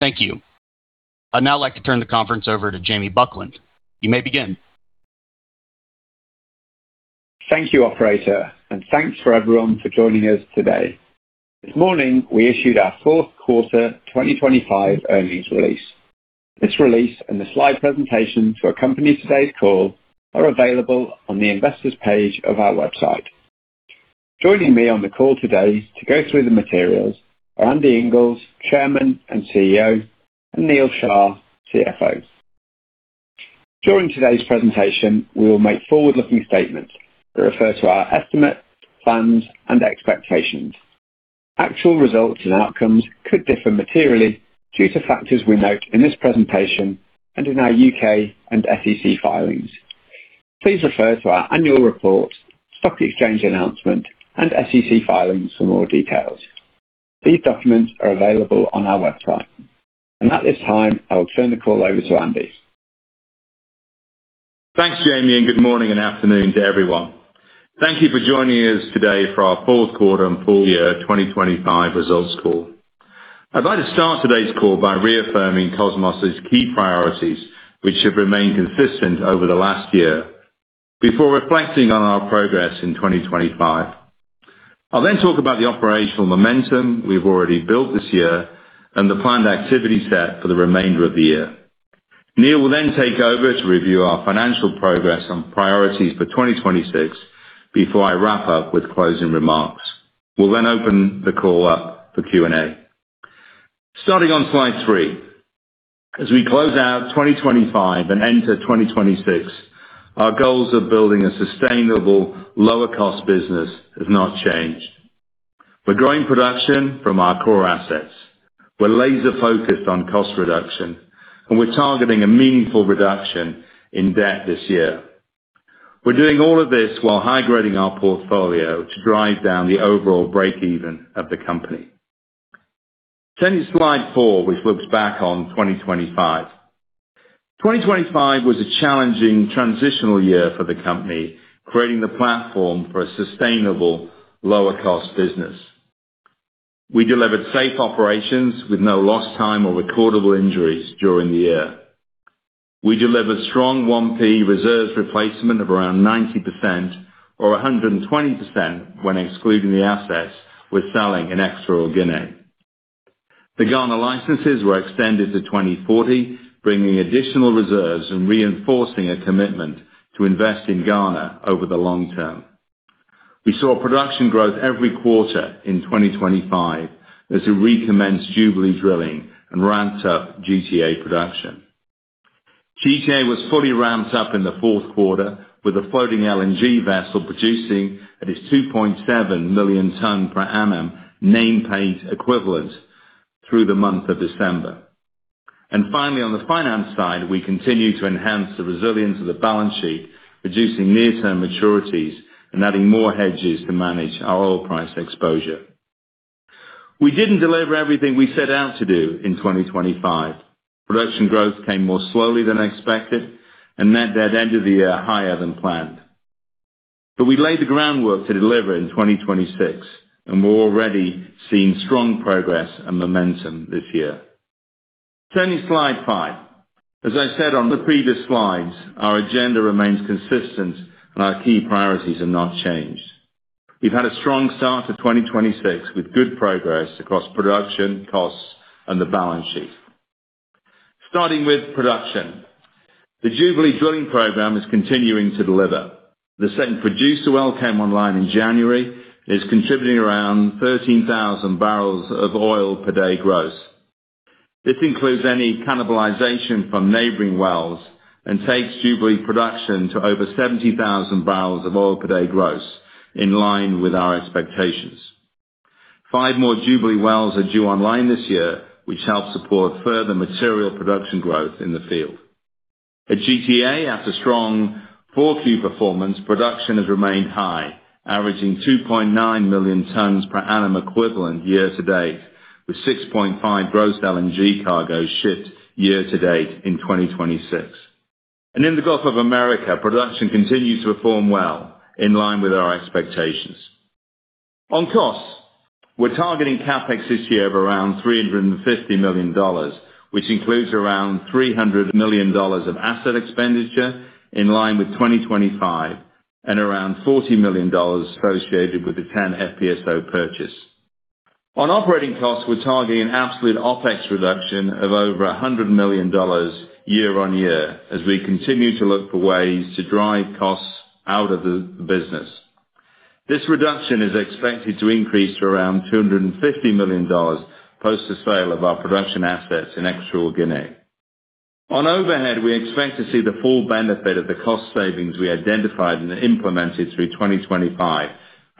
Thank you. I'd now like to turn the conference over to Jamie Buckland. You may begin. Thank you, operator, thanks for everyone for joining us today. This morning, we issued our fourth quarter 2025 earnings release. This release and the slide presentation to accompany today's call are available on the Investors page of our website. Joining me on the call today to go through the materials are Andy Inglis, Chairman and CEO, and Neal Shah, CFO. During today's presentation, we will make forward-looking statements that refer to our estimates, plans, and expectations. Actual results and outcomes could differ materially due to factors we note in this presentation and in our U.K. and SEC filings. Please refer to our annual report, stock exchange announcement, and SEC filings for more details. These documents are available on our website. At this time, I'll turn the call over to Andy. Thanks, Jamie, and good morning and afternoon to everyone. Thank you for joining us today for our Q4 and full year 2025 results call. I'd like to start today's call by reaffirming Kosmos' key priorities, which have remained consistent over the last year, before reflecting on our progress in 2025. I'll talk about the operational momentum we've already built this year and the planned activity set for the remainder of the year. Neal will take over to review our financial progress and priorities for 2026 before I wrap up with closing remarks. We'll open the call up for Q&A. Starting on slide three. As we close out 2025 and enter 2026, our goals of building a sustainable lower cost business has not changed. We're growing production from our core assets. We're laser-focused on cost reduction, and we're targeting a meaningful reduction in debt this year. We're doing all of this while high-grading our portfolio to drive down the overall break-even of the company. Turning to slide four, which looks back on 2025. 2025 was a challenging transitional year for the company, creating the platform for a sustainable lower cost business. We delivered safe operations with no lost time or recordable injuries during the year. We delivered strong 1P reserves replacement of around 90% or 120% when excluding the assets we're selling in Equatorial Guinea. The Ghana licenses were extended to 2040, bringing additional reserves and reinforcing a commitment to invest in Ghana over the long term. We saw production growth every quarter in 2025 as we recommenced Jubilee drilling and ramped up GTA production. GTA was fully ramped up in the Q4 with a floating LNG vessel producing at its 2.7 million ton per annum nameplate equivalent through the month of December. Finally, on the finance side, we continue to enhance the resilience of the balance sheet, reducing near-term maturities and adding more hedges to manage our oil price exposure. We didn't deliver everything we set out to do in 2025. Production growth came more slowly than expected and net debt ended the year higher than planned. We laid the groundwork to deliver in 2026, and we're already seeing strong progress and momentum this year. Turning to slide five. As I said on the previous slides, our agenda remains consistent, and our key priorities have not changed. We've had a strong start to 2026 with good progress across production costs and the balance sheet. Starting with production. The Jubilee drilling program is continuing to deliver. The second producer well came online in January and is contributing around 13,000 barrels of oil per day gross. This includes any cannibalization from neighboring wells and takes Jubilee production to over 70,000 barrels of oil per day gross, in line with our expectations. Five more Jubilee wells are due online this year, which help support further material production growth in the field. At GTA, after strong Q4 performance, production has remained high, averaging 2.9 million tons per annum equivalent year to date, with 6.5 gross LNG cargos shipped year to date in twenty twenty-six. In the Gulf of Mexico, production continues to perform well, in line with our expectations. On costs, we're targeting CapEx this year of around $350 million, which includes around $300 million of asset expenditure in line with 2025 and around $40 million associated with the TEN FPSO purchase. On operating costs, we're targeting an absolute OpEx reduction of over $100 million year-on-year as we continue to look for ways to drive costs out of the business. This reduction is expected to increase to around $250 million post the sale of our production assets in Equatorial Guinea. On overhead, we expect to see the full benefit of the cost savings we identified and implemented through 2025,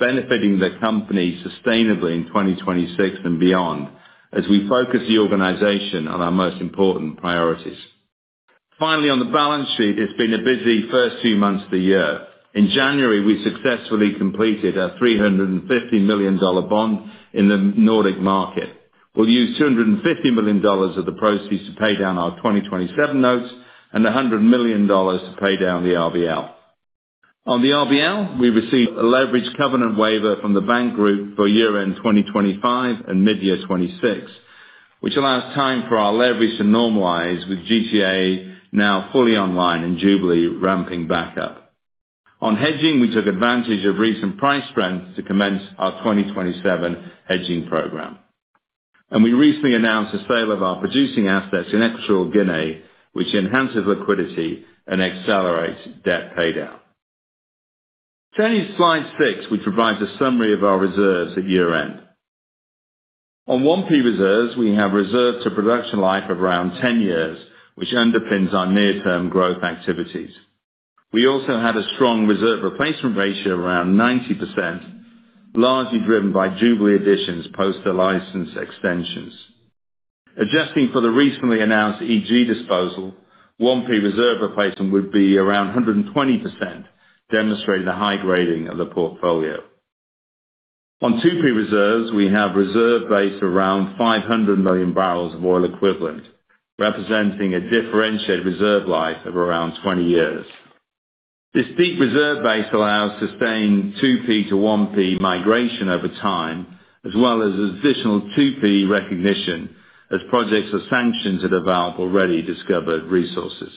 benefiting the company sustainably in 2026 and beyond, as we focus the organization on our most important priorities. Finally, on the balance sheet, it's been a busy first two months of the year. In January, we successfully completed our $350 million bond in the Nordic market. We'll use $250 million of the proceeds to pay down our 2027 notes and $100 million to pay down the RBL. On the RBL, we received a leverage covenant waiver from the bank group for year-end 2025 and mid-year 2026, which allows time for our leverage to normalize with GTA now fully online and Jubilee ramping back up. On hedging, we took advantage of recent price trends to commence our 2027 hedging program. We recently announced the sale of our producing assets in Equatorial Guinea, which enhances liquidity and accelerates debt paydown. Turning to slide six, which provides a summary of our reserves at year-end. On 1P reserves, we have reserves to production life of around 10 years, which underpins our near-term growth activities. We also have a strong reserve replacement ratio around 90%, largely driven by Jubilee additions post the license extensions. Adjusting for the recently announced EG disposal, 1P reserve replacement would be around 120%, demonstrating the high grading of the portfolio. On 2P reserves, we have reserve base around 500 million BOE, representing a differentiated reserve life of around 20 years. This deep reserve base allows sustained 2P to 1P migration over time, as well as additional 2P recognition as projects or sanctions that are valve already discovered resources.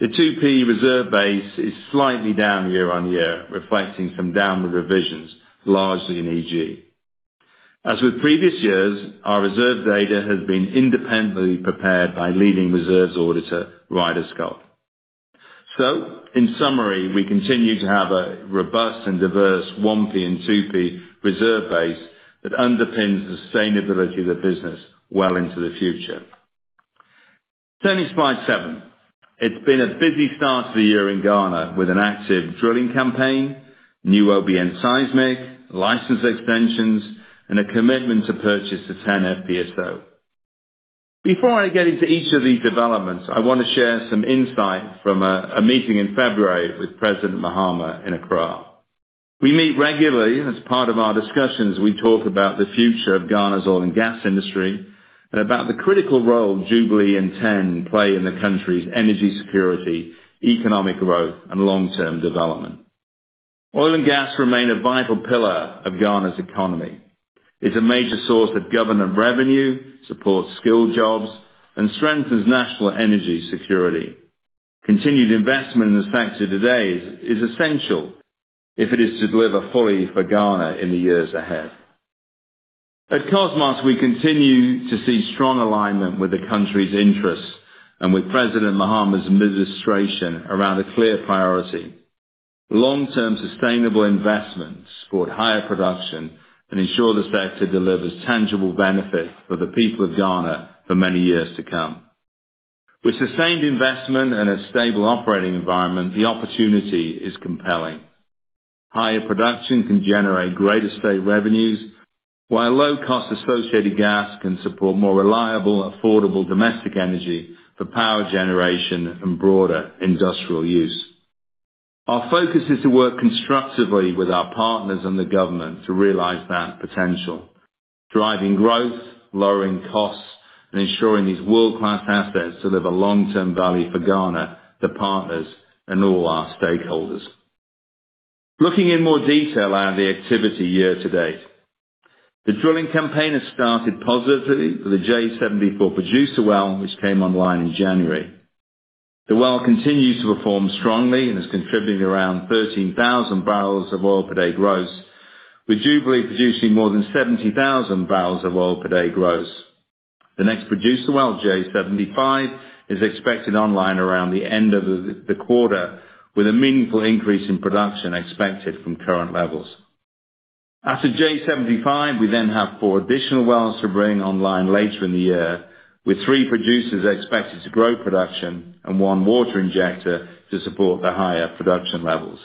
The 2P reserve base is slightly down year-on-year, reflecting some downward revisions, largely in EG. As with previous years, our reserve data has been independently prepared by leading reserves auditor, Ryder Scott. In summary, we continue to have a robust and diverse 1P and 2P reserve base that underpins the sustainability of the business well into the future. Turning to slide seven. It's been a busy start to the year in Ghana with an active drilling campaign, new OBN seismic, license extensions, and a commitment to purchase the TEN FPSO. Before I get into each of these developments, I wanna share some insight from a meeting in February with President Mahama in Accra. We meet regularly, and as part of our discussions, we talk about the future of Ghana's oil and gas industry and about the critical role Jubilee and TEN play in the country's energy security, economic growth, and long-term development. Oil and gas remain a vital pillar of Ghana's economy. It's a major source of government revenue, supports skilled jobs, and strengthens national energy security. Continued investment in this sector today is essential if it is to deliver fully for Ghana in the years ahead. At Kosmos, we continue to see strong alignment with the country's interests and with President Mahama's administration around a clear priority. Long-term sustainable investments support higher production and ensure this sector delivers tangible benefits for the people of Ghana for many years to come. With sustained investment and a stable operating environment, the opportunity is compelling. Higher production can generate greater state revenues, while low cost-associated gas can support more reliable, affordable domestic energy for power generation and broader industrial use. Our focus is to work constructively with our partners and the government to realize that potential, driving growth, lowering costs, and ensuring these world-class assets deliver long-term value for Ghana, the partners, and all our stakeholders. Looking in more detail at the activity year-to-date. The drilling campaign has started positively with the J74 producer well, which came online in January. The well continues to perform strongly and is contributing around 13,000 barrels of oil per day growth, with Jubilee producing more than 70,000 barrels of oil per day growth. The next producer well, J75, is expected online around the end of the quarter, with a meaningful increase in production expected from current levels. After J75, we then have four additional wells to bring online later in the year, with three producers expected to grow production and one water injector to support the higher production levels.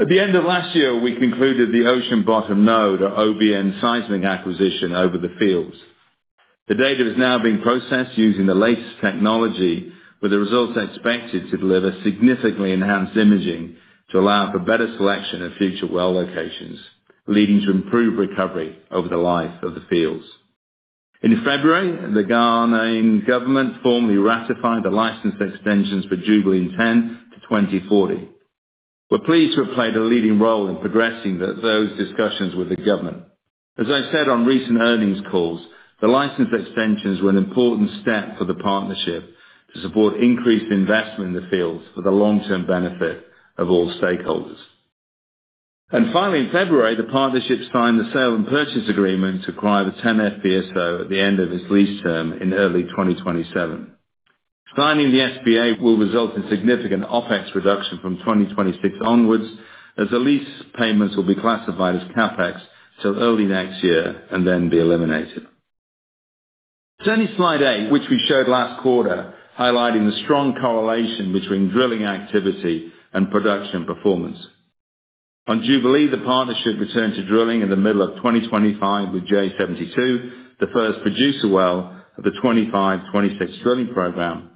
At the end of last year, we concluded the ocean bottom node, or OBN seismic acquisition over the fields. The data is now being processed using the latest technology, with the results expected to deliver significantly enhanced imaging to allow for better selection of future well locations, leading to improved recovery over the life of the fields. In February, the Ghanaian government formally ratified the license extensions for Jubilee and TEN to 2040. We're pleased to have played a leading role in progressing those discussions with the government. As I said on recent earnings calls, the license extensions were an important step for the partnership to support increased investment in the fields for the long-term benefit of all stakeholders. Finally, in February, the partnership signed the sale and purchase agreement to acquire the TEN FPSO at the end of its lease term in early 2027. Signing the SBA will result in significant OpEx reduction from 2026 onwards, as the lease payments will be classified as CapEx till early next year and then be eliminated. Turning to slide eight which we showed last quarter, highlighting the strong correlation between drilling activity and production performance. On Jubilee, the partnership returned to drilling in the middle of 2025 with J72, the first producer well of the 2025-2026 drilling program,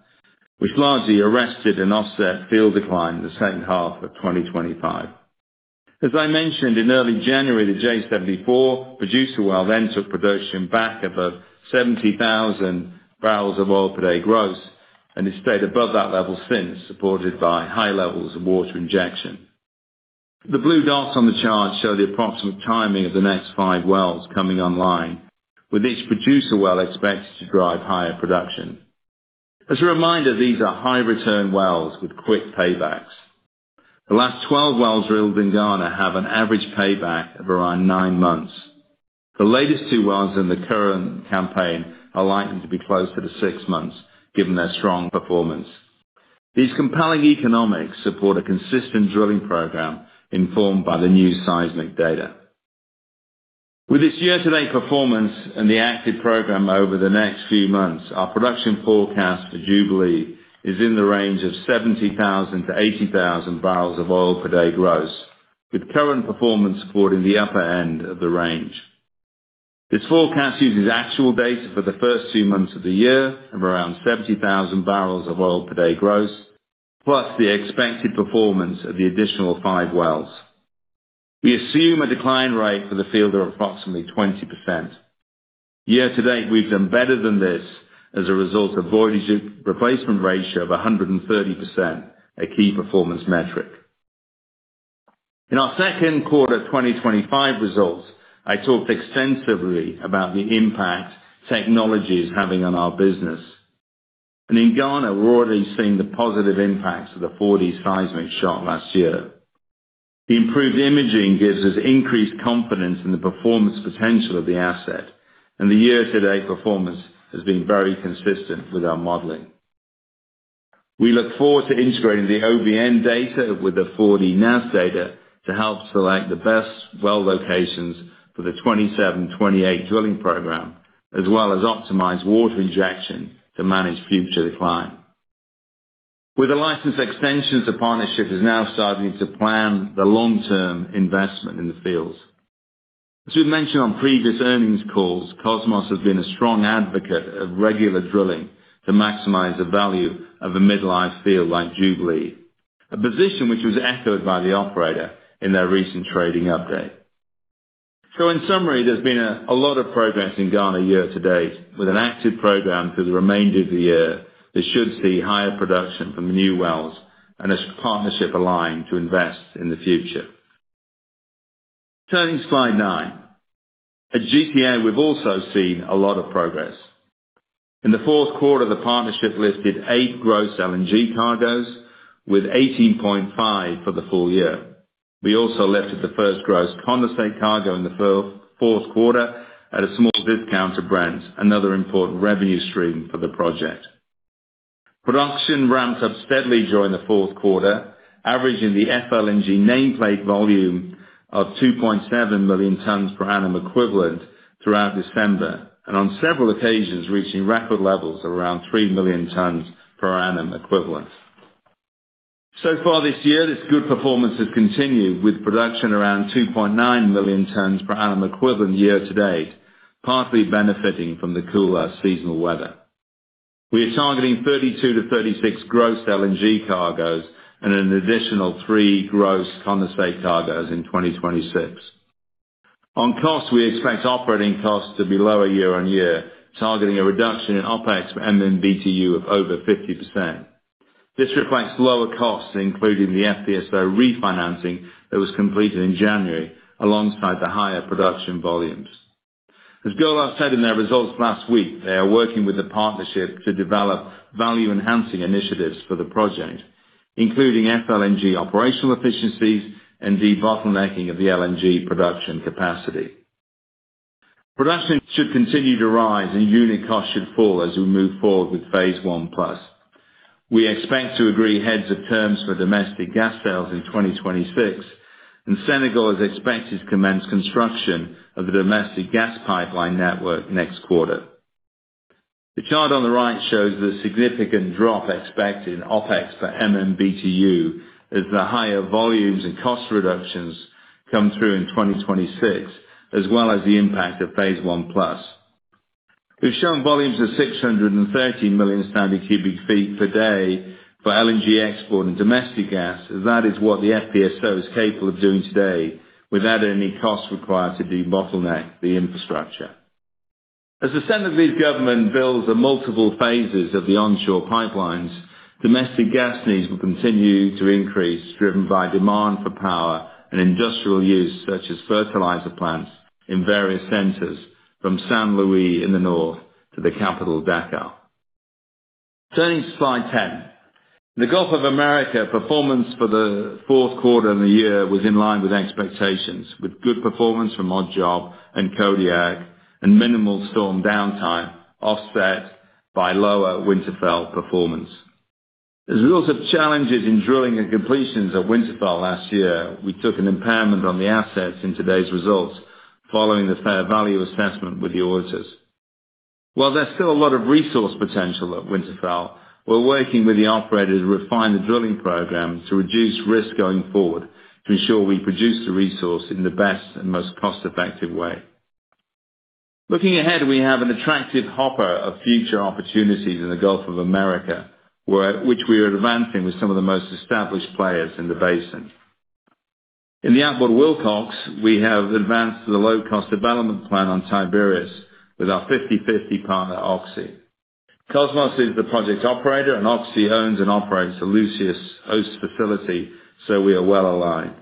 which largely arrested and offset field decline in the second half of 2025. As I mentioned, in early January, the J74 producer well then took production back above 70,000 barrels of oil per day gross, and has stayed above that level since, supported by high levels of water injection. The blue dots on the chart show the approximate timing of the next five wells coming online, with each producer well expected to drive higher production. As a reminder, these are high return wells with quick paybacks. The last 12 wells drilled in Ghana have an average payback of around nine months. The latest two wells in the current campaign are likened to be closer to six months given their strong performance. These compelling economics support a consistent drilling program informed by the new seismic data. With this year-to-date performance and the active program over the next few months, our production forecast for Jubilee is in the range of 70,000-80,000 barrels of oil per day gross, with current performance supporting the upper end of the range. This forecast uses actual data for the first two months of the year of around 70,000 barrels of oil per day gross, plus the expected performance of the additional five wells. We assume a decline rate for the field of approximately 20%. Year to date, we've done better than this as a result of volume replacement ratio of 130%, a key performance metric. In our Q2 2025 results, I talked extensively about the impact technology is having on our business. In Ghana, we're already seeing the positive impacts of the 4D seismic shot last year. The improved imaging gives us increased confidence in the performance potential of the asset, and the year to date performance has been very consistent with our modeling. We look forward to integrating the OBM data with the 4D NAZ data to help select the best well locations for the 2027, 2028 drilling program, as well as optimize water injection to manage future decline. With the license extensions, the partnership is now starting to plan the long-term investment in the fields. As we've mentioned on previous earnings calls, Kosmos has been a strong advocate of regular drilling to maximize the value of a mid-life field like Jubilee, a position which was echoed by the operator in their recent trading update. In summary, there's been a lot of progress in Ghana year to date with an active program for the remainder of the year that should see higher production from the new wells and this partnership aligned to invest in the future. Turning to slide nine. At GTA, we've also seen a lot of progress. In the Q4, the partnership lifted eight gross LNG cargos with 18.5 for the full year. We also lifted the first gross condensate cargo in the Q4 at a small discount to Brent, another important revenue stream for the project. Production ramped up steadily during the Q4, averaging the FLNG nameplate volume of 2.7 million tons per annum equivalent throughout December, and on several occasions, reaching record levels of around three million tons per annum equivalent. Far this year, this good performance has continued with production around 2.9 million tons per annum equivalent year to date, partly benefiting from the cooler seasonal weather. We are targeting 32-36 gross LNG cargos and an additional three gross condensate cargos in 2026. On costs, we expect operating costs to be lower year-on-year, targeting a reduction in OpEx and in DD&A of over 50%. This reflects lower costs, including the FPSO refinancing that was completed in January alongside the higher production volumes. As BP has said in their results last week, they are working with the partnership to develop value-enhancing initiatives for the project, including FLNG operational efficiencies and debottlenecking of the LNG production capacity. Production should continue to rise and unit costs should fall as we move forward with Phase I Plus. We expect to agree heads of terms for domestic gas sales in 2026. Senegal is expected to commence construction of the domestic gas pipeline network next quarter. The chart on the right shows the significant drop expected in OpEx for MMBtu as the higher volumes and cost reductions come through in 2026, as well as the impact of Phase I Plus. We've shown volumes of 630 million standard cubic feet per day for LNG export and domestic gas. That is what the FPSO is capable of doing today without any cost required to debottleneck the infrastructure. As the Senegalese government builds the multiple phases of the onshore pipelines, domestic gas needs will continue to increase, driven by demand for power and industrial use, such as fertilizer plants in various centers from Saint Louis in the north to the capital, Dakar. Turning to slide 10. The Gulf of Mexico performance for the Q4 and the year was in line with expectations, with good performance from Odd Job and Kodiak and minimal storm downtime offset by lower Winterfell performance. As a result of challenges in drilling and completions at Winterfell last year, we took an impairment on the assets in today's results following the fair value assessment with the auditors. While there's still a lot of resource potential at Winterfell, we're working with the operators to refine the drilling program to reduce risk going forward to ensure we produce the resource in the best and most cost-effective way. Looking ahead, we have an attractive hopper of future opportunities in the Gulf of Mexico, which we are advancing with some of the most established players in the basin. In the Upper Wilcox, we have advanced the low-cost development plan on Tiberias with our 50/50 partner, Oxy. Kosmos is the project's operator, and Oxy owns and operates the Lucius host facility, so we are well-aligned.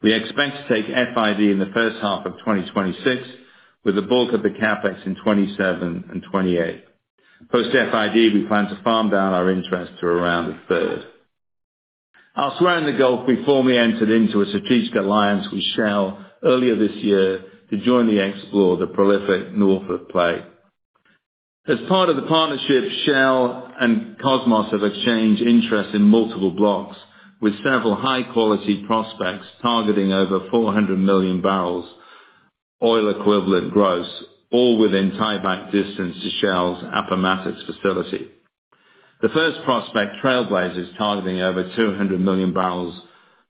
We expect to take FID in the first half of 2026, with the bulk of the CapEx in 2027 and 2028. Post FID, we plan to farm down our interest to around a third. Also in the Gulf, we formally entered into a strategic alliance with Shell earlier this year to jointly explore the prolific Norphlet play. As part of the partnership, Shell and Kosmos have exchanged interest in multiple blocks, with several high-quality prospects targeting over 400 million barrels oil equivalent gross, all within tieback distance to Shell's Appomattox facility. The first prospect, Trailblazer, is targeting over 200 million barrels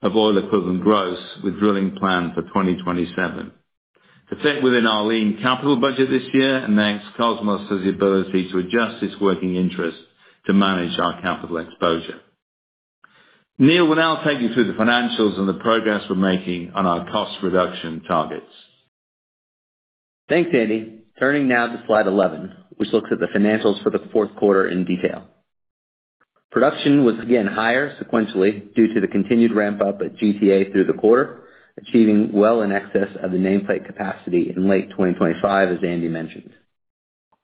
of oil-equivalent gross with drilling planned for 2027. To fit within our lean capital budget this year and next, Kosmos has the ability to adjust its working interest to manage our capital exposure. Neal will now take you through the financials and the progress we're making on our cost reduction targets. Thanks, Andy. Turning now to slide 11, which looks at the financials for the Q4 in detail. Production was again higher sequentially due to the continued ramp up at GTA through the quarter, achieving well in excess of the nameplate capacity in late 2025, as Andy mentioned.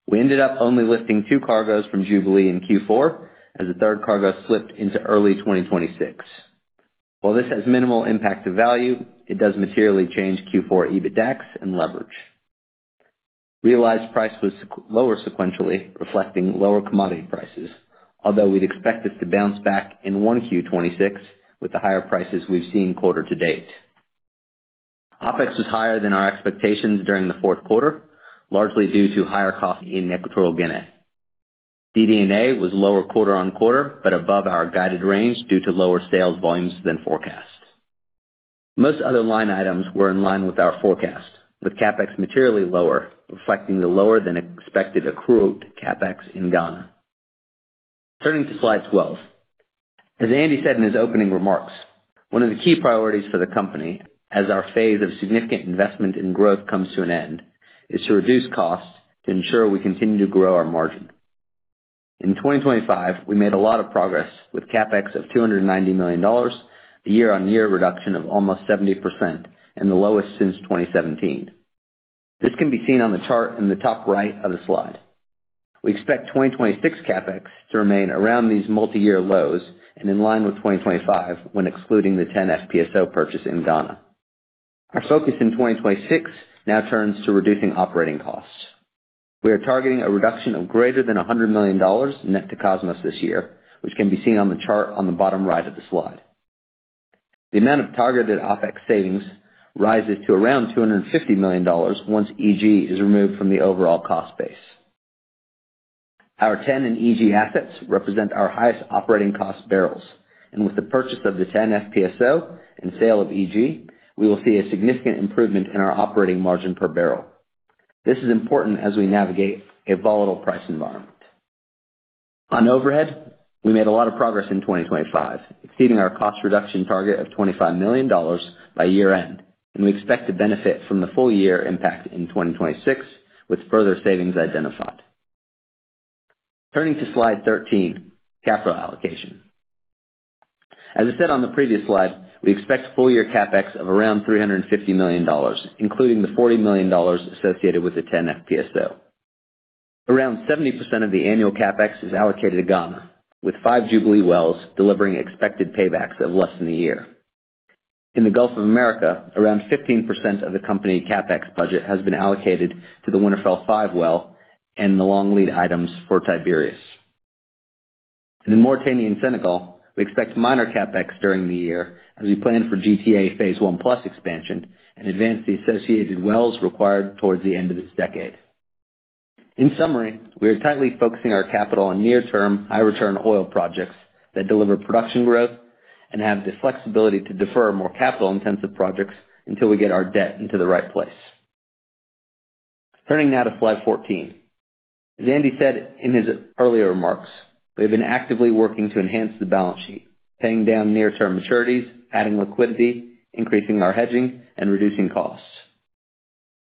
We ended up only lifting two cargos from Jubilee in Q4 as the third cargo slipped into early 2026. While this has minimal impact to value, it does materially change Q4 EBITDAX and leverage. Realized price was lower sequentially, reflecting lower commodity prices, although we'd expect this to bounce back in Q1 2026 with the higher prices we've seen quarter to date. OpEx was higher than our expectations during the Q4, largely due to higher costs in Equatorial Guinea. DD&A was lower quarter-on-quarter, but above our guided range due to lower sales volumes than forecast. Most other line items were in line with our forecast, with CapEx materially lower, reflecting the lower than expected accrued CapEx in Ghana. Turning to slide 12. As Andy said in his opening remarks, one of the key priorities for the company, as our phase of significant investment in growth comes to an end, is to reduce costs to ensure we continue to grow our margin. In 2025, we made a lot of progress with CapEx of $290 million, a year-on-year reduction of almost 70% and the lowest since 2017. This can be seen on the chart in the top right of the slide. We expect 2026 CapEx to remain around these multiyear lows and in line with 2025 when excluding the TEN FPSO purchase in Ghana. Our focus in 2026 now turns to reducing operating costs. We are targeting a reduction of greater than $100 million net to Kosmos this year, which can be seen on the chart on the bottom right of the slide. The amount of targeted OpEx savings rises to around $250 million once EG is removed from the overall cost base. Our TEN and EG assets represent our highest operating cost barrels, and with the purchase of the TEN FPSO and sale of EG, we will see a significant improvement in our operating margin per barrel. This is important as we navigate a volatile price environment. On overhead, we made a lot of progress in 2025, exceeding our cost reduction target of $25 million by year-end. We expect to benefit from the full year impact in 2026 with further savings identified. Turning to slide 13, capital allocation. As I said on the previous slide, we expect full year CapEx of around $350 million, including the $40 million associated with the TEN FPSO. Around 70% of the annual CapEx is allocated to Ghana, with five Jubilee wells delivering expected paybacks of less than a year. In the Gulf of Mexico, around 15% of the company CapEx budget has been allocated to the Winterfell five well and the long lead items for Tiberias. In Mauritania and Senegal, we expect minor CapEx during the year as we plan for GTA Phase I Plus expansion and advance the associated wells required towards the end of this decade. In summary, we are tightly focusing our capital on near term, high return oil projects that deliver production growth and have the flexibility to defer more capital-intensive projects until we get our debt into the right place. Turning now to slide 14. As Andy said in his earlier remarks, we have been actively working to enhance the balance sheet, paying down near-term maturities, adding liquidity, increasing our hedging, and reducing costs.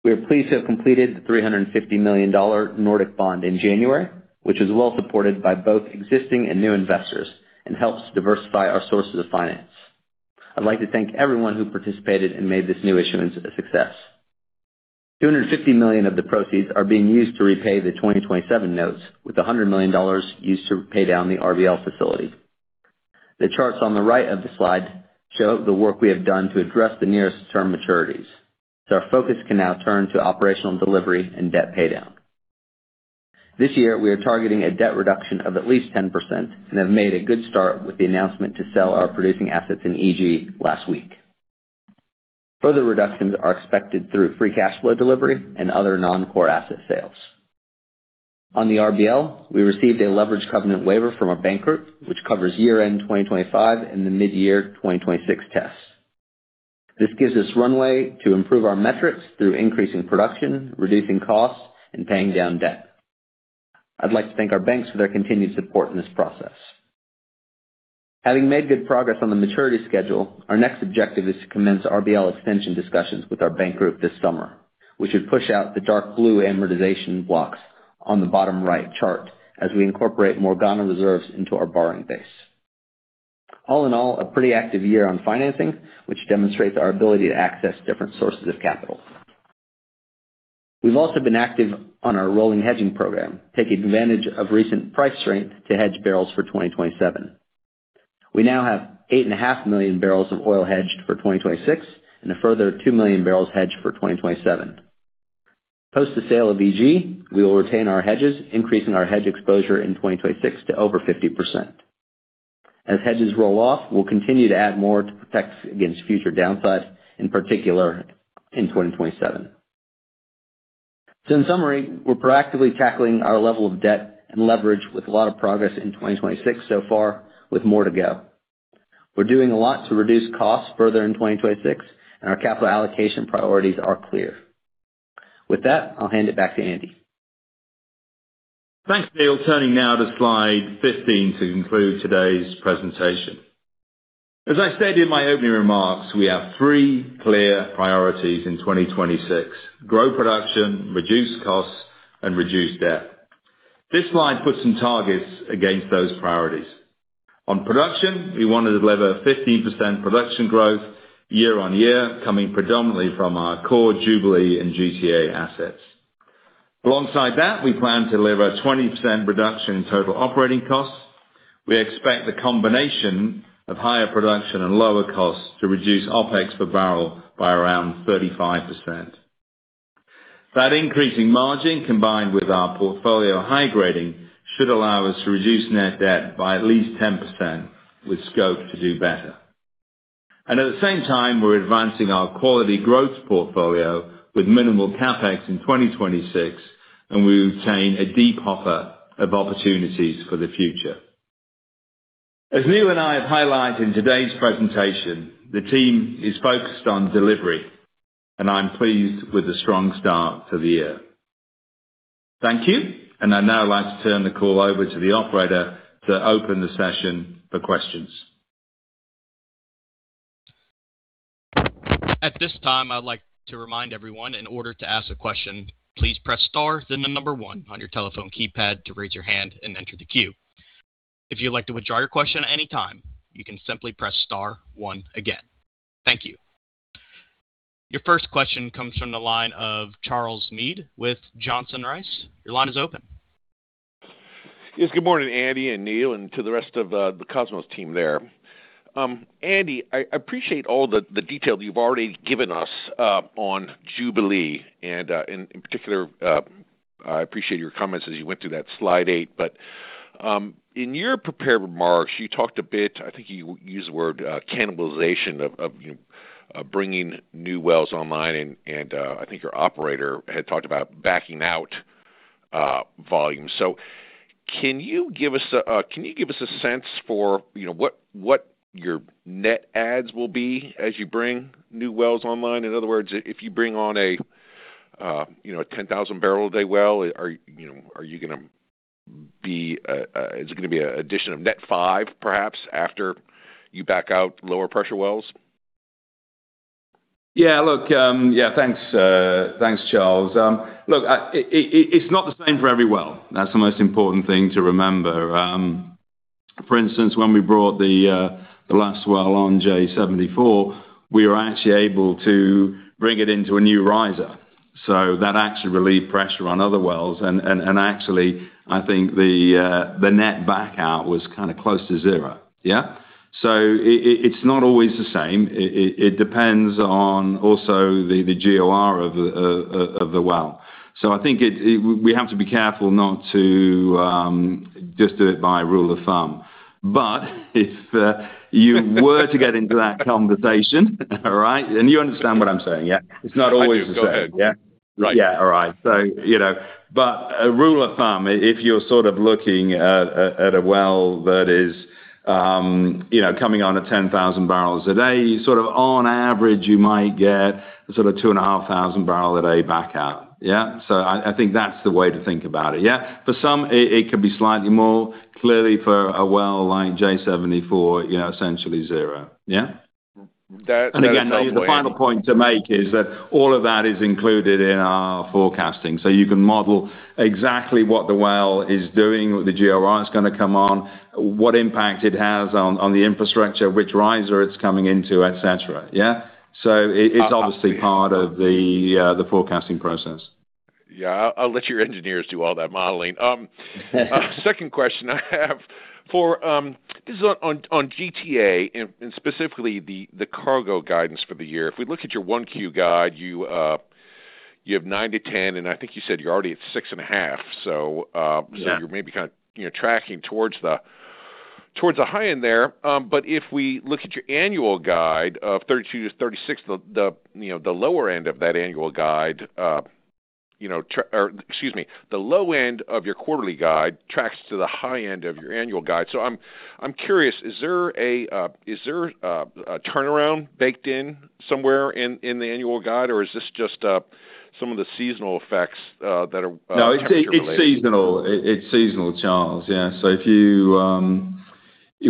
We are pleased to have completed the $350 million Nordic bond in January, which is well supported by both existing and new investors and helps diversify our sources of finance. I'd like to thank everyone who participated and made this new issuance a success. $250 million of the proceeds are being used to repay the 2027 notes, with $100 million used to pay down the RBL facility. The charts on the right of the slide show the work we have done to address the nearest term maturities. Our focus can now turn to operational delivery and debt paydown. This year, we are targeting a debt reduction of at least 10% and have made a good start with the announcement to sell our producing assets in EG last week. Further reductions are expected through free cash flow delivery and other non-core asset sales. On the RBL, we received a leverage covenant waiver from our bank group, which covers year-end 2025 and the mid-year 2026 tests. This gives us runway to improve our metrics through increasing production, reducing costs, and paying down debt. I'd like to thank our banks for their continued support in this process. Having made good progress on the maturity schedule, our next objective is to commence RBL extension discussions with our bank group this summer. We should push out the dark blue amortization blocks on the bottom right chart as we incorporate Mauritania reserves into our borrowing base. All in all, a pretty active year on financing, which demonstrates our ability to access different sources of capital. We've also been active on our rolling hedging program, taking advantage of recent price strength to hedge barrels for 2027. We now have 8.5 million barrels of oil hedged for 2026 and a further two million barrels hedged for 2027. Post the sale of EG, we will retain our hedges, increasing our hedge exposure in 2026 to over 50%. As hedges roll off, we'll continue to add more to protect against future downside, in particular in 2027. In summary, we're proactively tackling our level of debt and leverage with a lot of progress in 2026 so far with more to go. We're doing a lot to reduce costs further in 2026, our capital allocation priorities are clear. With that, I'll hand it back to Andy. Thanks, Neal. Turning now to slide 15 to conclude today's presentation. As I stated in my opening remarks, we have three clear priorities in 2026: grow production, reduce costs, and reduce debt. This slide puts some targets against those priorities. On production, we want to deliver a 15% production growth year-on-year, coming predominantly from our core Jubilee and GTA assets. Alongside that, we plan to deliver a 20% reduction in total operating costs. We expect the combination of higher production and lower costs to reduce OpEx per barrel by around 35%. That increasing margin, combined with our portfolio high grading, should allow us to reduce net debt by at least 10% with scope to do better. At the same time, we're advancing our quality growth portfolio with minimal CapEx in 2026, and we retain a deep offer of opportunities for the future. As Neal and I have highlighted in today's presentation, the team is focused on delivery, and I'm pleased with the strong start to the year. Thank you. I'd now like to turn the call over to the operator to open the session for questions. At this time, I'd like to remind everyone in order to ask a question, please press star then one on your telephone keypad to raise your hand and enter the queue. If you'd like to withdraw your question at any time, you can simply press star one again. Thank you. Your first question comes from the line of Charles Meade with Johnson Rice. Your line is open. Yes, good morning, Andy and Neil, and to the rest of the Kosmos Energy team there. Andy, I appreciate all the detail that you've already given us on Jubilee and in particular, I appreciate your comments as you went through that slide eight. In your prepared remarks, you talked a bit, I think you used the word cannibalization of, you know, bringing new wells online and I think your operator had talked about backing out volume. Can you give us a sense for, you know, what your net adds will be as you bring new wells online? In other words, if you bring on a, you know, a 10,000 barrel a day well, are, you know, are you gonna be... Is it gonna be an addition of net five perhaps after you back out lower pressure wells? Look, thanks, Charles. Look, it's not the same for every well. That's the most important thing to remember. For instance, when we brought the last well on J74, we were actually able to bring it into a new riser. That actually relieved pressure on other wells. Actually, I think the net back out was kinda close to zero. It's not always the same. It depends on also the GOR of the well. I think we have to be careful not to just do it by rule of thumb. If you were to get into that conversation, right? You understand what I'm saying, yeah? It's not always the same. I do. Go ahead. Yeah. Right. Yeah. All right. You know. A rule of thumb, if you're sort of looking at a well that is, you know, coming on at 10,000 barrels a day, sort of on average, you might get sort of 2,500 barrel a day back out. Yeah. I think that's the way to think about it. Yeah. For some, it could be slightly more clearly for a well like J74, you know, essentially zero. Yeah. That tells me... Again, the final point to make is that all of that is included in our forecasting. You can model exactly what the well is doing, the GOR that's gonna come on, what impact it has on the infrastructure, which riser it's coming into, et cetera. Yeah. It's obviously part of the forecasting process. Yeah. I'll let your engineers do all that modeling. Second question I have for this is on GTA and specifically the cargo guidance for the year. If we look at your Q1 guide, you have 9-10, and I think you said you're already at 6.5. Yeah. You're maybe kind of, you know, tracking towards the high end there. If we look at your annual guide of 32-36, the, you know, the lower end of that annual guide, you know, or excuse me, the low end of your quarterly guide tracks to the high end of your annual guide. I'm curious, is there a, is there a turnaround baked in somewhere in the annual guide, or is this just some of the seasonal effects that are capture related? No, it's seasonal. It's seasonal, Charles, yeah. If you,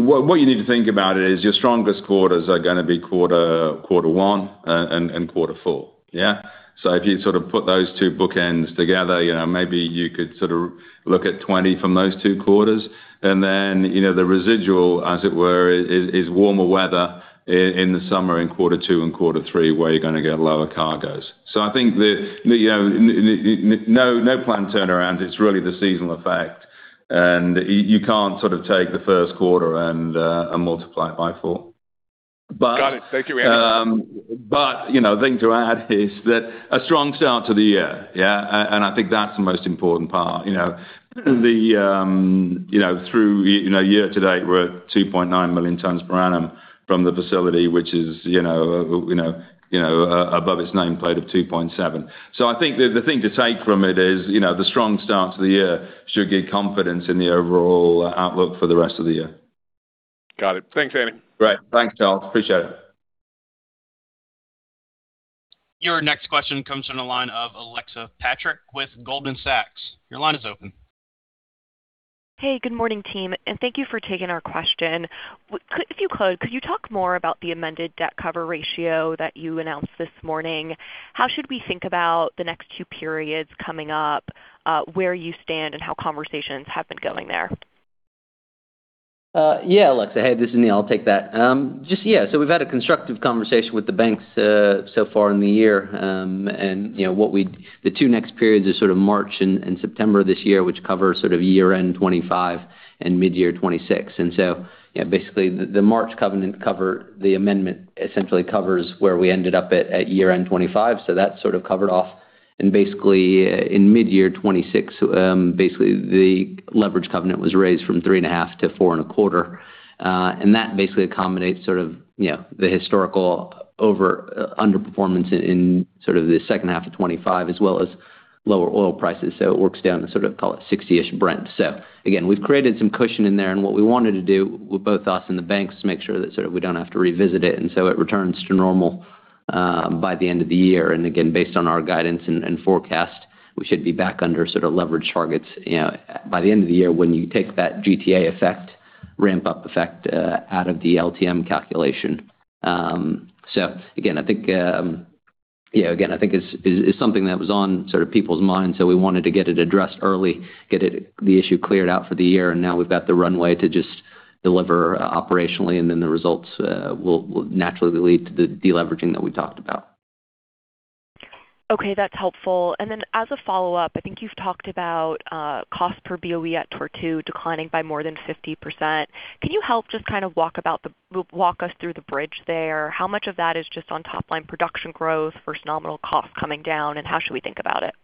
what you need to think about is your strongest quarters are gonna be Q1 and Q4, yeah? If you sort of put those two bookends together, you know, maybe you could sort of look at 20 from those two quarters. you know, the residual, as it were, is warmer weather in the summer in Q2 and Q3, where you're gonna get lower cargoes. I think the no planned turnaround. It's really the seasonal effect. you can't sort of take the Q1 and multiply it by four. Got it. Thank you, Andy. you know, thing to add is that a strong start to the year, yeah. I think that's the most important part, you know. you know, through year to date, we're at 2.9 million tons per annum from the facility, which is, you know, above its nameplate of 2.7. I think the thing to take from it is, you know, the strong start to the year should give confidence in the overall outlook for the rest of the year. Got it. Thanks, Andy. Great. Thanks, Charles. Appreciate it. Your next question comes from the line of Neil Mehta with Goldman Sachs. Your line is open. Hey, good morning, team. Thank you for taking our question. If you could you talk more about the amended debt cover ratio that you announced this morning? How should we think about the next two periods coming up, where you stand and how conversations have been going there? Yeah, Alexa. Hey, this is Neil. I'll take that. Just, yeah, we've had a constructive conversation with the banks so far in the year. You know, the two next periods are sort of March and September of this year, which cover sort of year-end 2025 and mid-year 2026. You know, basically the March covenant cover, the amendment essentially covers where we ended up at year-end 2025, so that's sort of covered off. Basically, in mid-year 2026, basically the leverage covenant was raised from 3.5 to 4.25. That basically accommodates, you know, the historical underperformance in the second half of 2025 as well as lower oil prices. It works down to, call it 60-ish Brent. Again, we've created some cushion in there. What we wanted to do with both us and the banks to make sure that sort of we don't have to revisit it, and so it returns to normal by the end of the year. Again, based on our guidance and forecast, we should be back under sort of leverage targets, you know, by the end of the year when you take that GTA effect, ramp-up effect out of the LTM calculation. Again, I think it's something that was on sort of people's minds, so we wanted to get it addressed early, get the issue cleared out for the year, now we've got the runway to just deliver operationally, then the results will naturally lead to the deleveraging that we talked about. Okay, that's helpful. As a follow-up, I think you've talked about cost per BOE at Tortue declining by more than 50%. Can you help just kind of walk us through the bridge there? How much of that is just on top line production growth versus nominal cost coming down, and how should we think about it?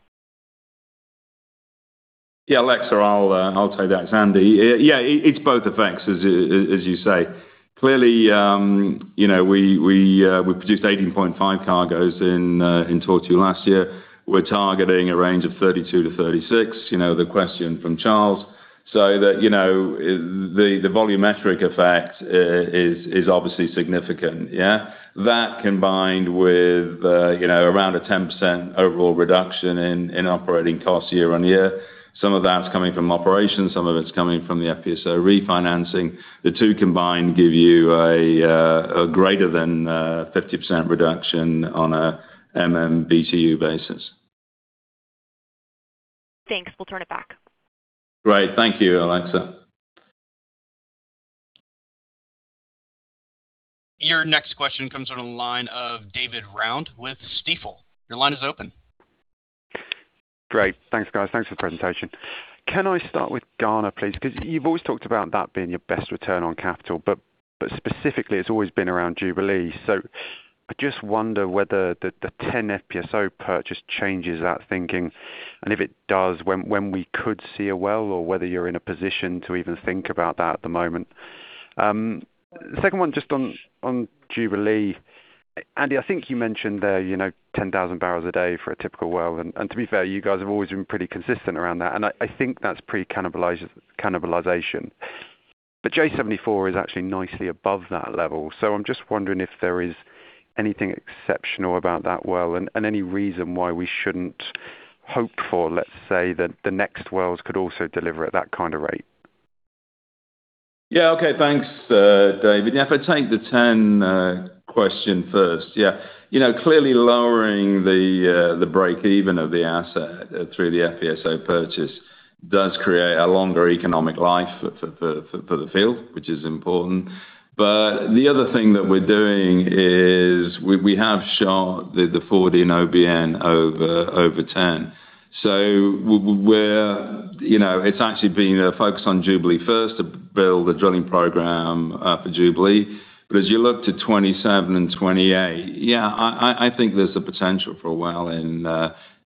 Yeah, Alexa, I'll take that. It's Andy. Yeah, it's both effects as you say. Clearly, you know, we produced 18.5 cargoes in Tortue last year. We're targeting a range of 32-36, you know, the question from Charles. That, you know, the volumetric effect is obviously significant, yeah? That combined with, you know, around a 10% overall reduction in operating costs year on year. Some of that's coming from operations, some of it's coming from the FPSO refinancing. The two combined give you a greater than 50% reduction on a MMBtu basis. Thanks. We'll turn it back. Great. Thank you, Neil Mehta. Your next question comes on the line of David Round with Stifel. Your line is open. Great. Thanks, guys. Thanks for the presentation. Can I start with Ghana, please? You've always talked about that being your best return on capital, but specifically, it's always been around Jubilee. I just wonder whether the TEN FPSO purchase changes that thinking, and if it does, when we could see a well or whether you're in a position to even think about that at the moment. Second one just on Jubilee. Andy, I think you mentioned there, you know, 10,000 barrels a day for a typical well, and to be fair, you guys have always been pretty consistent around that, and I think that's pre-cannibalization. J74 is actually nicely above that level. I'm just wondering if there is anything exceptional about that well and any reason why we shouldn't hope for, let's say, that the next wells could also deliver at that kind of rate? Okay. Thanks, David. If I take the TEN question first. You know, clearly lowering the break even of the asset through the FPSO purchase does create a longer economic life for the field, which is important. The other thing that we're doing is we have shot the forward in OBN over TEN. We're, you know, it's actually been a focus on Jubilee first to build a drilling program for Jubilee. As you look to 2027 and 2028, I think there's the potential for a well in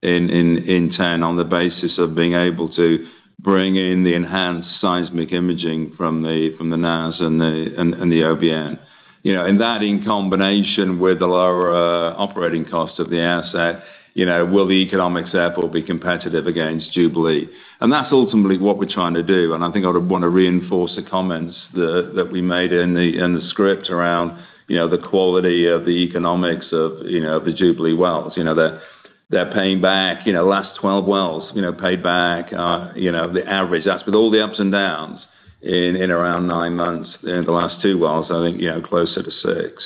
TEN on the basis of being able to bring in the enhanced seismic imaging from the, from the NAZ and the OBN. You know, that in combination with the lower operating costs of the asset, you know, will the economics therefore be competitive against Jubilee? That's ultimately what we're trying to do. I think I would wanna reinforce the comments that we made in the script around, you know, the quality of the economics of, you know, the Jubilee wells. You know, they're paying back, you know, last 12 wells, you know, paid back, you know, the average. That's with all the ups and downs in around nine months. In the last two wells, I think, you know, closer to six.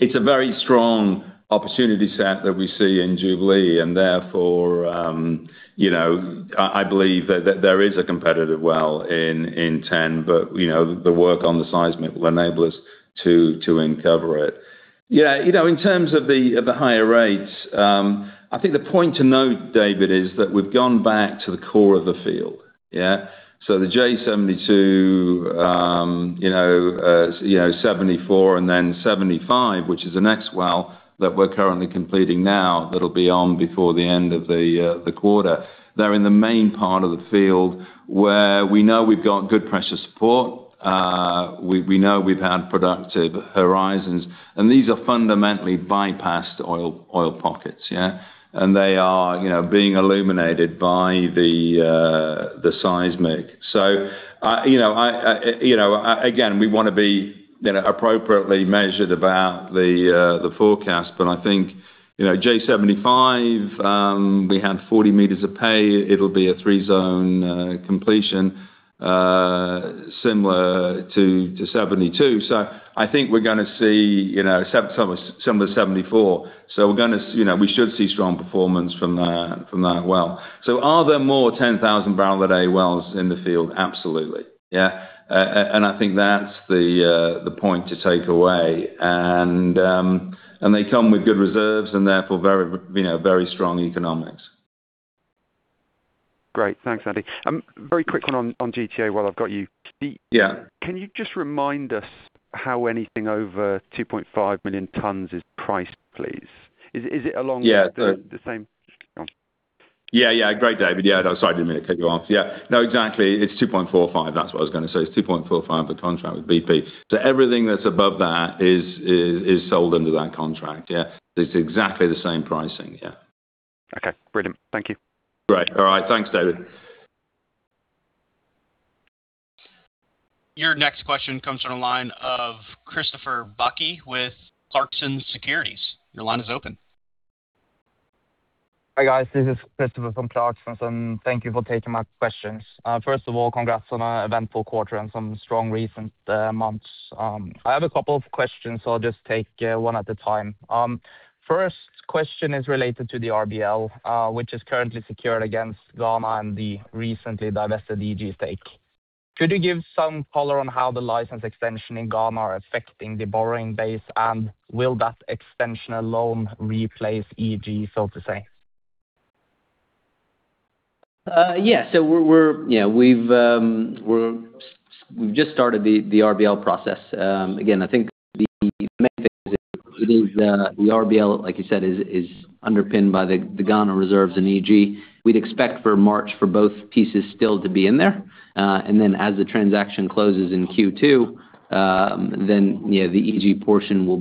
It's a very strong opportunity set that we see in Jubilee and therefore, you know, I believe that there is a competitive well in TEN. You know, the work on the seismic will enable us to uncover it. Yeah. You know, in terms of the, of the higher rates, I think the point to note, David, is that we've gone back to the core of the field. Yeah? The J72, you know, J74 and then J75, which is the next well that we're currently completing now, that'll be on before the end of the quarter. They're in the main part of the field where we know we've got good pressure support. We know we've had productive horizons, these are fundamentally bypassed oil pockets, yeah? They are, you know, being illuminated by the seismic. I, you know, I, you know, again, we wanna be, you know, appropriately measured about the forecast. I think, you know, J75, we had 40 meters of pay. It'll be a three zone completion, similar to 72. I think we're gonna see, you know, similar to 74. We're gonna, you know, we should see strong performance from that well. Are there more 10,000 barrel a day wells in the field? Absolutely. Yeah. I think that's the point to take away. They come with good reserves and therefore very, you know, very strong economics. Great. Thanks, Andy. Very quick one on GTA while I've got you. Yeah. Can you just remind us how anything over 2.5 million tons is priced, please? Is it along- Yeah. the same... Go on. Yeah, yeah. Great, David. Yeah, sorry, I didn't mean to cut you off. Yeah. No, exactly. It's 2.45. That's what I was gonna say. It's 2.45 the contract with BP. Everything that's above that is sold under that contract. Yeah. It's exactly the same pricing. Yeah. Okay, brilliant. Thank you. Great. All right. Thanks, David. Your next question comes from the line of Christoffer Bachke with Clarksons Securities. Your line is open. Hi, guys. This is Christoffer from Clarksons, and thank you for taking my questions. First of all, congrats on an eventful quarter and some strong recent months. I have a couple of questions. I'll just take one at a time. First question is related to the RBL, which is currently secured against Ghana and the recently divested EG stake. Could you give some color on how the license extension in Ghana are affecting the borrowing base? Will that extension alone replace EG, so to say? Yeah. We're, you know, we've just started the RBL process. Again, I think the main thing is the RBL, like you said, is underpinned by the Ghana reserves in EG. We'd expect for March for both pieces still to be in there. As the transaction closes in Q2, you know, the EG portion will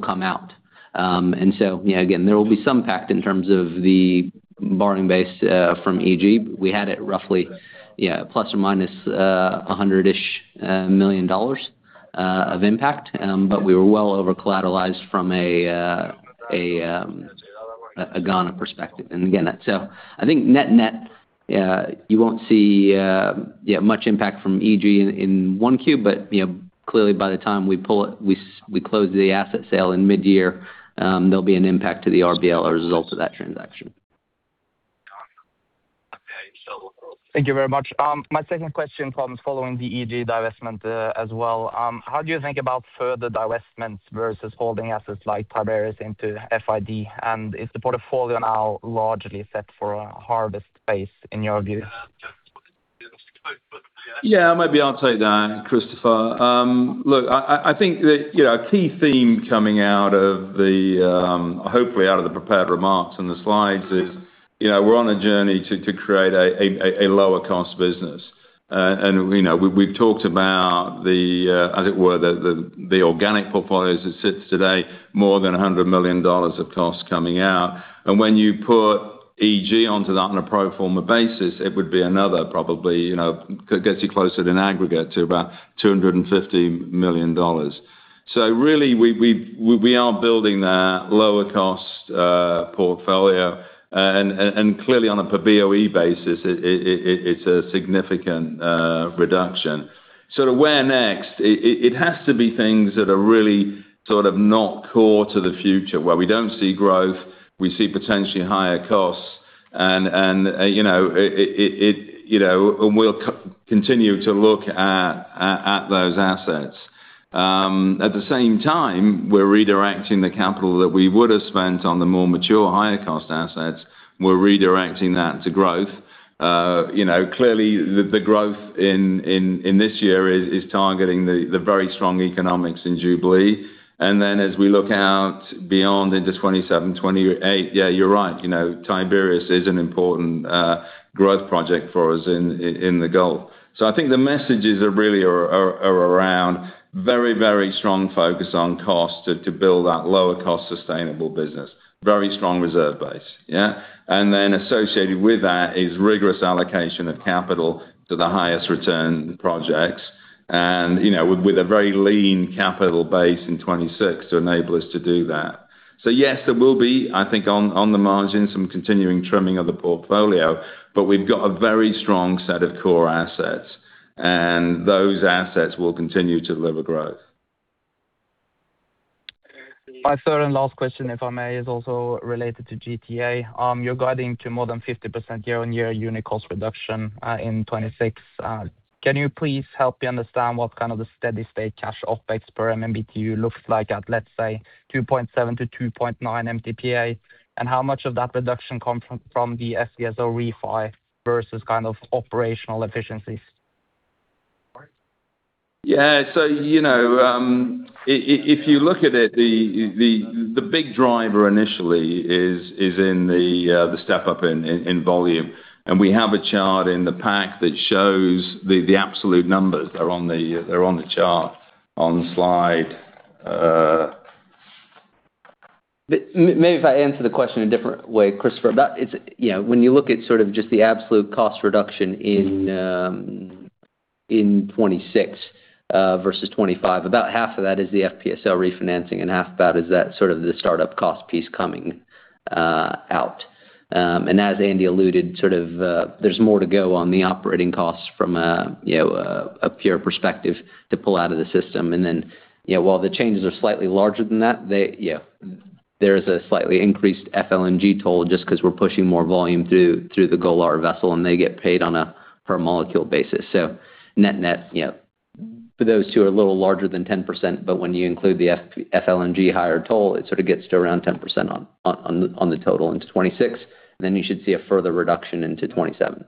come out. You know, again, there will be some impact in terms of the borrowing base from EG. We had it roughly, yeah, ±$100 million of impact. We were well overcollateralized from a Ghana perspective. I think net-net, you won't see much impact from EG in one Q, but, you know, clearly by the time we pull it. We close the asset sale in mid-year, there'll be an impact to the RBL as a result of that transaction. Okay. Thank you very much. My second question comes following the EG divestment as well. How do you think about further divestments versus holding assets like Tiberias into FID? And is the portfolio now largely set for a harvest base in your view? Yeah, maybe I'll take that, Christoffer. Look, I think that, you know, a key theme coming out of the, hopefully out of the prepared remarks and the slides is, you know, we're on a journey to create a lower cost business. You know, we've talked about the, as it were, the organic portfolios that sits today, more than $100 million of costs coming out. When you put EG onto that on a pro forma basis, it would be another probably, you know, gets you closer in aggregate to about $250 million. Really, we are building that lower cost portfolio. Clearly on a per BOE basis, it's a significant reduction. Sort of where next? It has to be things that are really sort of not core to the future, where we don't see growth, we see potentially higher costs. You know, it, you know, and we'll continue to look at those assets. At the same time, we're redirecting the capital that we would have spent on the more mature, higher cost assets, we're redirecting that to growth. You know, clearly the growth in this year is targeting the very strong economics in Jubilee. As we look out beyond into 2027, 2028, yeah, you're right, you know, Tiberias is an important growth project for us in the Gulf. I think the messages are really around very, very strong focus on cost to build that lower cost sustainable business. Very strong reserve base, yeah? Associated with that is rigorous allocation of capital to the highest return projects and, you know, with a very lean capital base in 2026 to enable us to do that. Yes, there will be, I think on the margin, some continuing trimming of the portfolio. We've got a very strong set of core assets, and those assets will continue to deliver growth. My third and last question, if I may, is also related to GTA. You're guiding to more than 50% year-on-year unit cost reduction in 2026. Can you please help me understand what kind of the steady state cash OpEx per MMBtu looks like at, let's say, 2.7-2.9 MTPA? How much of that reduction come from the FPSO refi versus kind of operational efficiencies? Yeah. You know, if you look at it, the big driver initially is in the step up in volume. We have a chart in the pack that shows the absolute numbers. They're on the chart on slide. Maybe if I answer the question a different way, Christoffer. That is, you know, when you look at sort of just the absolute cost reduction in 2026 vs 2025, about half of that is the FPSO refinancing and half that is that sort of the start up cost piece coming out. As Andy alluded, sort of, there's more to go on the operating costs from, you know, a pure perspective to pull out of the system. Then, you know, while the changes are slightly larger than that, they, yeah, there's a slightly increased FLNG toll just 'cause we're pushing more volume through the Golar vessel, and they get paid on a per molecule basis. Net-net, yeah, for those two are a little larger than 10%, when you include the F-FLNG higher toll, it sort of gets to around 10% on the total in 2026. You should see a further reduction into 2027.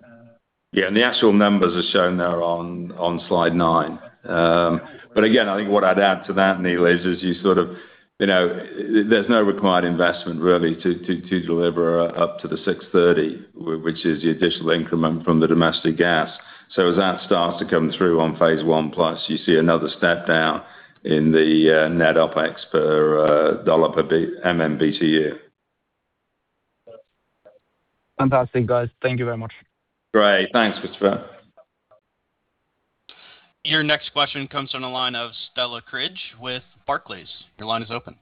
Yeah. The actual numbers are shown there on slide nine. Again, I think what I'd add to that, Neal, is you sort of, you know, there's no required investment really to deliver up to the 630, which is the additional increment from the domestic gas. As that starts to come through on Phase I Plus, you see another step down in the net OpEx per $ per MMBtu. Fantastic, guys. Thank you very much. Great. Thanks, Christoffer. Your next question comes from the line of Stella Cridge with Barclays. Your line is open.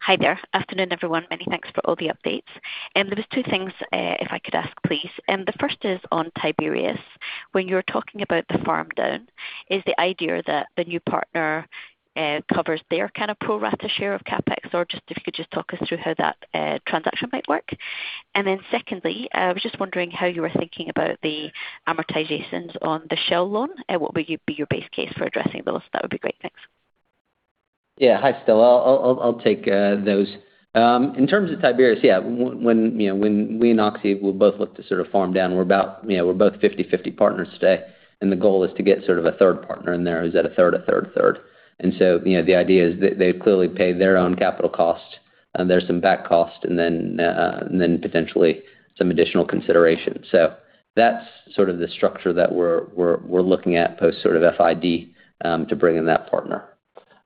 Hi there. Afternoon, everyone. Many thanks for all the updates. There was two things, if I could ask, please. The first is on Tiberias. When you're talking about the farm down, is the idea that the new partner covers their kind of pro rata share of CapEx? Or just if you could just talk us through how that transaction might work. Secondly, I was just wondering how you were thinking about the amortizations on the Shell loan. What would be your base case for addressing those? That would be great. Thanks. Hi, Stella. I'll take those. In terms of Tiberias, when, you know, when we and Oxy, we both look to sort of farm down, we're about, you know, we're both 50/50 partners today, and the goal is to get sort of a third partner in there who's at a third, a third, a third. You know, the idea is they clearly pay their own capital cost, there's some back cost and then potentially some additional consideration. That's sort of the structure that we're looking at post sort of FID to bring in that partner.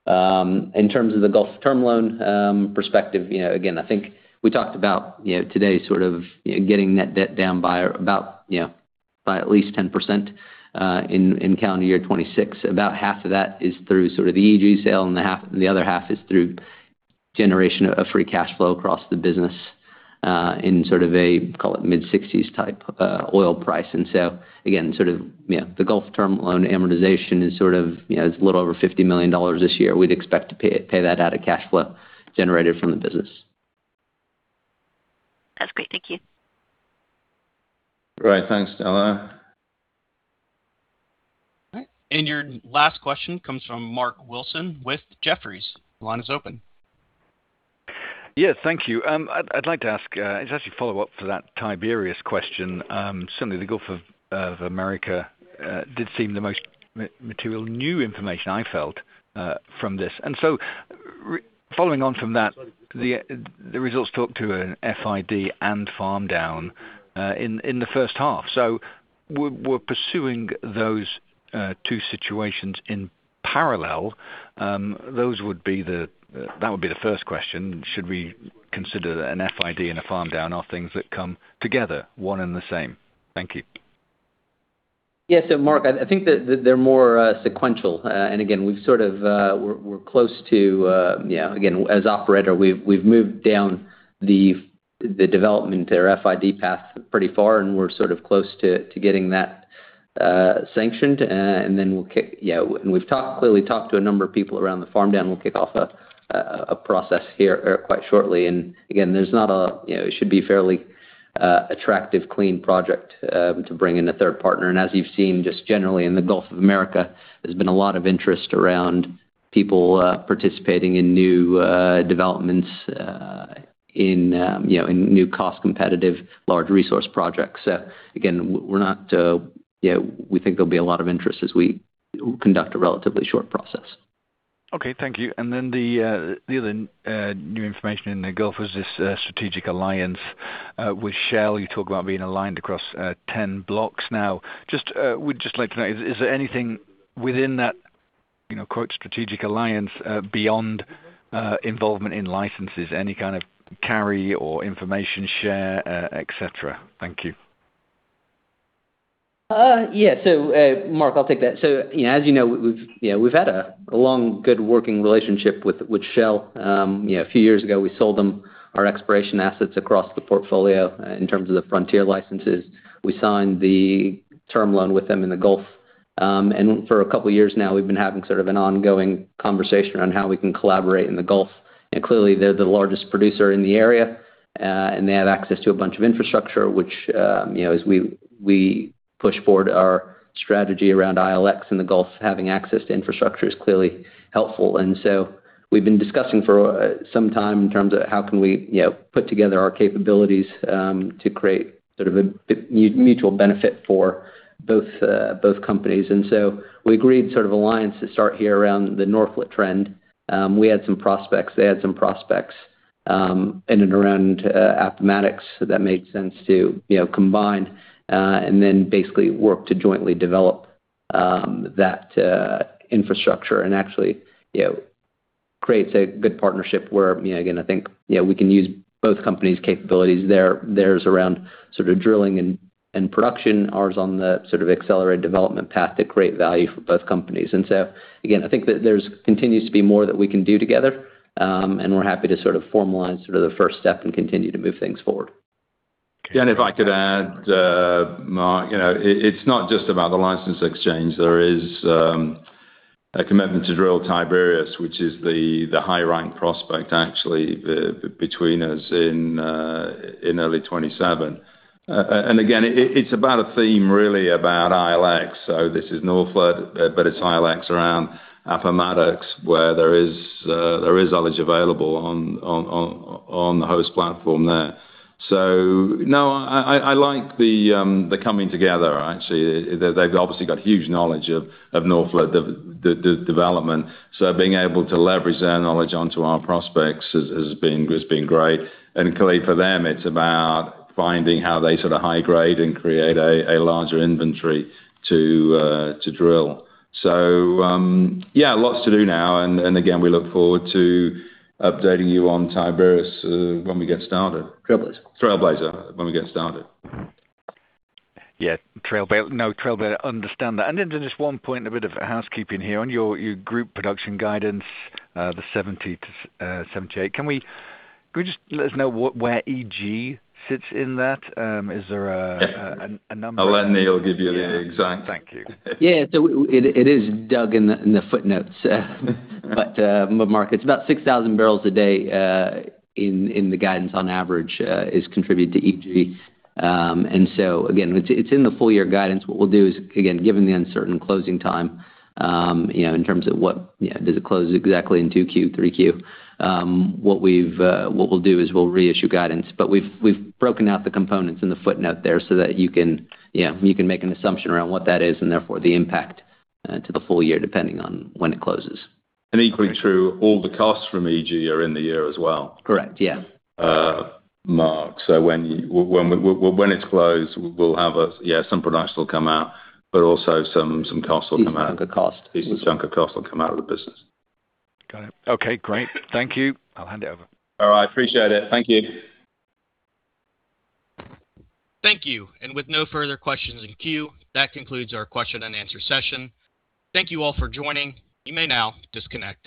In terms of the Gulf term loan perspective, you know, again, I think we talked about, you know, today sort of, you know, getting net debt down by about, you know, by at least 10% in calendar year 2026. About half of that is through sort of the EG sale, and the other half is through generation of free cash flow across the business, in sort of a, call it mid-60s type oil price. Again, sort of, you know, the Gulf term loan amortization is sort of, you know, it's a little over $50 million this year. We'd expect to pay that out of cash flow generated from the business. That's great. Thank you. Right. Thanks, Stella. All right. Your last question comes from Mark Wilson with Jefferies. Line is open. Thank you. I'd like to ask, it's actually a follow-up to that Tiberias question. Certainly the Gulf of Mexico did seem the most material new information I felt from this. Following on from that, the results talk to an FID and farm down in the first half. We're pursuing those two situations in parallel. Those would be that would be the first question. Should we consider an FID and a farm down are things that come together, one and the same? Thank you. Yeah. Mark, I think that they're more sequential. Again, we've sort of, we're close to, yeah, again, as operator, we've moved down the development or FID path pretty far, and we're sort of close to getting that sanctioned. Yeah, we've clearly talked to a number of people around the farm down. We'll kick off a process here quite shortly. Again, there's not a, you know, it should be fairly attractive clean project to bring in a third partner. As you've seen just generally in the Gulf of Mexico, there's been a lot of interest around people participating in new developments in, you know, in new cost competitive large resource projects. Again, we're not, yeah, we think there'll be a lot of interest as we conduct a relatively short process. Okay, thank you. Then the other, new information in the Gulf was this, strategic alliance, with Shell. You talk about being aligned across, 10 blocks now. Just, we'd just like to know, is there anything within that, you know, quote, strategic alliance, beyond, involvement in licenses? Any kind of carry or information share, et cetera? Thank you. Yeah. Mark, I'll take that. You know, as you know, we've, you know, we've had a long good working relationship with Shell. You know, a few years ago, we sold them our exploration assets across the portfolio in terms of the frontier licenses. We signed the term loan with them in the Gulf. For a couple of years now, we've been having sort of an ongoing conversation on how we can collaborate in the Gulf. Clearly, they're the largest producer in the area. They have access to a bunch of infrastructure, which, you know, as we push forward our strategy around ILX in the Gulf, having access to infrastructure is clearly helpful. we've been discussing for some time in terms of how can we, you know, put together our capabilities, to create sort of a mutual benefit for both companies. we agreed sort of alliance to start here around the Norphlet trend. we had some prospects, they had some prospects in and around Appomattox. That made sense to, you know, combine and then basically work to jointly develop that infrastructure and actually, you know, create a good partnership where, you know, again, I think, you know, we can use both companies' capabilities there. Theirs around sort of drilling and production, ours on the sort of accelerated development path to create value for both companies. Again, I think that there's continues to be more that we can do together. We're happy to sort of formalize sort of the first step and continue to move things forward. If I could add, Mark, you know, it's not just about the license exchange. There is a commitment to drill Tiberias, which is the high rank prospect actually between us in early 2027. Again, it's about a theme really about ILX. This is Norphlet, but it's ILX around Appomattox where there is knowledge available on the host platform there. No, I like the coming together actually. They've obviously got huge knowledge of Norphlet, the development. Being able to leverage their knowledge onto our prospects has been great. Clearly for them, it's about finding how they sort of high grade and create a larger inventory to drill. Yeah, lots to do now. Again, we look forward to updating you on Tiberias, when we get started. Trailblazer. Trailblazer, when we get started. Yeah. Trailblazer. Understand that. Just one point, a bit of a housekeeping here. On your group production guidance, the 70 to 78, can we just let us know where EG sits in that? Is there a number? I'll let Neal give you the exact. Thank you. It is dug in the footnotes. Mark, it's about 6,000 barrels a day in the guidance on average is contributed to EG. Again, it's in the full year guidance. What we'll do is, again, given the uncertain closing time, you know, in terms of what, you know, does it close exactly in Q2, Q3. What we'll do is we'll reissue guidance, but we've broken out the components in the footnote there so that you can, you can make an assumption around what that is, and therefore the impact to the full year, depending on when it closes. Equally true, all the costs from EG are in the year as well. Correct. Yeah. Mark, when it's closed. Yeah, some production will come out, but also some costs will come out. Decent chunk of cost. Decent chunk of cost will come out of the business. Got it. Okay, great. Thank you. I'll hand it over. All right. Appreciate it. Thank you. Thank you. With no further questions in queue, that concludes our question and answer session. Thank you all for joining. You may now disconnect.